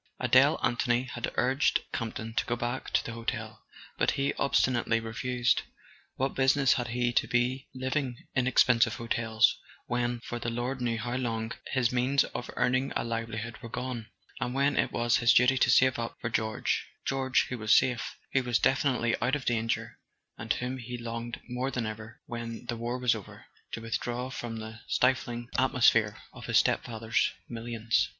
Adele Anthony had urged Campton to go back to the hotel, but he obstinately refused. What business had he to be living in expensive hotels when, for the Lord knew how long, his means of earning a livelihood were gone, and when it was his duty to save up for George—George, who was safe, who was definitely out of danger, and whom he longed more than ever, when the war was over, to withdraw from the stifling at¬ mosphere of his stepfather's millions?